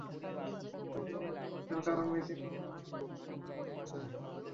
বিষয়টি গুরুত্ব পাচ্ছেই কারণ, মেসির বাবা হোর্হেই তাঁর এজেন্টের দায়িত্ব পালন করেন।